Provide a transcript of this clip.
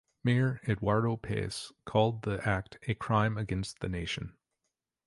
Mayor Eduardo Paes called the act "a crime against the nation".